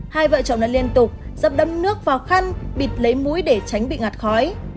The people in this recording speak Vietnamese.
hai vợ chồng đã liên tục dập đâm nước vào khăn bịt lấy mũi để tránh bị ngạt khói